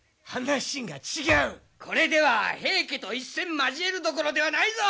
これでは平家と一戦交えるどころではないぞ！